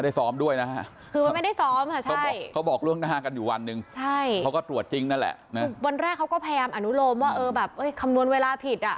วันแรกเขาก็พยายามอนุโลมว่าคำนวนเวลาผิด